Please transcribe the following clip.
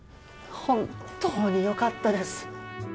本当によかったです。